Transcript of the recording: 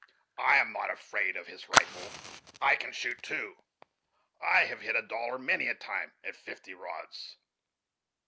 I am not afraid of his rifle. I can shoot, too. I have hit a dollar many a time at fifty rods.